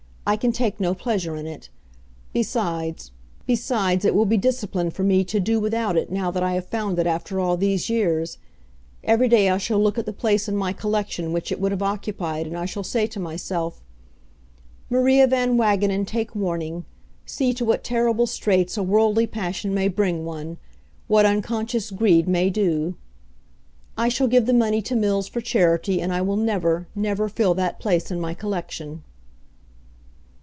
I can take no pleasure in it. Besides besides, it will be discipline for me to do without it now that I have found it after all these years. Every day I shall look at the place in my collection which it would have occupied, and I shall say to myself: 'Maria Van Wagenen, take warning. See to what terrible straits a worldly passion may bring one; what unconscious greed may do!' I shall give the money to Mills for charity and I will never never fill that place in my collection."